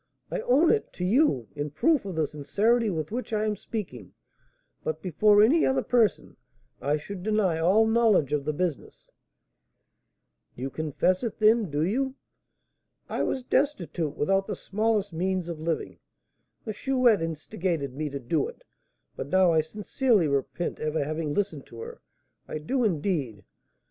I own it to you, in proof of the sincerity with which I am speaking, but before any other person I should deny all knowledge of the business." "You confess it, then, do you?" "I was destitute, without the smallest means of living, the Chouette instigated me to do it; but now I sincerely repent ever having listened to her. I do, indeed.